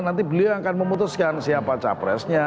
nanti beliau akan memutuskan siapa capresnya